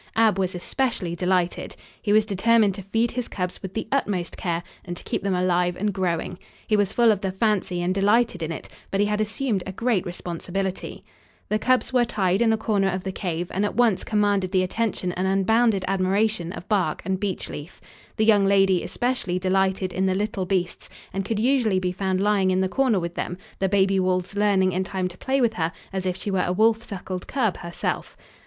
Ab was especially delighted. He was determined to feed his cubs with the utmost care and to keep them alive and growing. He was full of the fancy and delighted in it, but he had assumed a great responsibility. [Illustration: AB SEIZED UPON TWO OF THE SNARLING CUBS AND OAK DID THE SAME] The cubs were tied in a corner of the cave and at once commanded the attention and unbounded admiration of Bark and Beech Leaf. The young lady especially delighted in the little beasts and could usually be found lying in the corner with them, the baby wolves learning in time to play with her as if she were a wolf suckled cub herself.